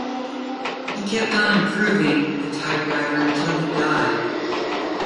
He kept on improving the typewriter until he died.